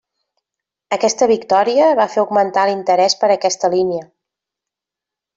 Aquesta victòria va fer augmentar l'interès per aquesta línia.